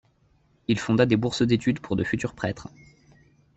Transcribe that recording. Il fonda des bourses d’étude pour de futurs prêtres.